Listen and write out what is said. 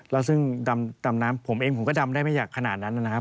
แล้วซึ่งดำน้ำผมเองผมก็ดำได้ไม่อยากขนาดนั้นนะครับ